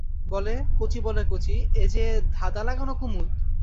বলে, কচি বলে কচি, এ যে ধাঁধালাগানো কুমুদ!